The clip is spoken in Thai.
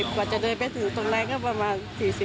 กว่าจะเดินไปถึงตรงนั้นก็ประมาณ๔๐